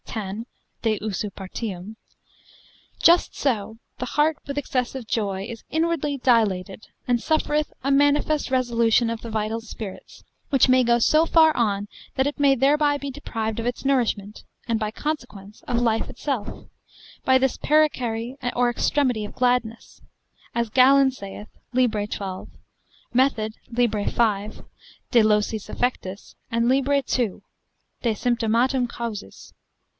10, de usu partium: just so the heart with excessive joy is inwardly dilated, and suffereth a manifest resolution of the vital spirits, which may go so far on that it may thereby be deprived of its nourishment, and by consequence of life itself, by this perichary or extremity of gladness, as Galen saith, lib. 12, method, lib. 5, de locis affectis, and lib. 2, de symptomatum causis.